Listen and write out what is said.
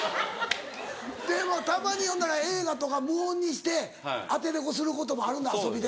たまにほんなら映画とか無音にしてアテレコすることもあるんだ遊びで。